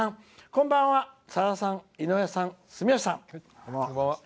「こんばんはさださん、井上さん、住吉さん